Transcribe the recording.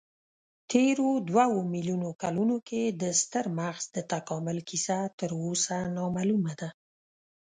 تېرو دوو میلیونو کلونو کې د ستر مغز د تکامل کیسه تراوسه نامعلومه ده.